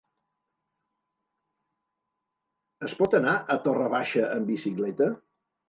Es pot anar a Torre Baixa amb bicicleta?